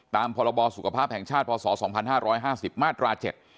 ตามพศ๒๕๕๐มาตรา๗